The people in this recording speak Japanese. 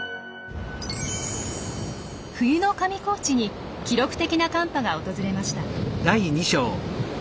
冬の上高地に記録的な寒波が訪れました。